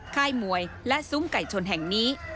ค่ายมวยและซุ้มไก่ชนแห่งนี้